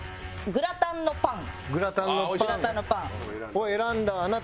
グラタンのパン。